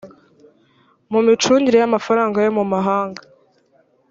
mu micungire y amafaranga yo mu mahanga